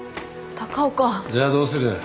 じゃあどうする。